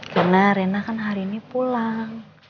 karena rena kan hari ini pulang